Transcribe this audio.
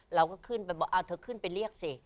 เราก็ขึ้นไปบอกเอาเธอขึ้นไปเรียกสิ